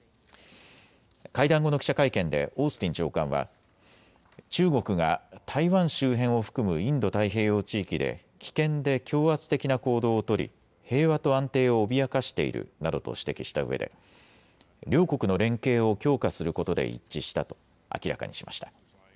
会談後の記者会見でオースティン長官は、中国が台湾周辺を含むインド太平洋地域で危険で強圧的な行動を取り平和と安定を脅かしているなどと指摘したうえで両国の連携をを強化することで一致したと明らかにしました。